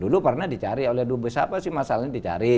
dulu pernah dicari oleh dua bisapa sih masalah ini dicari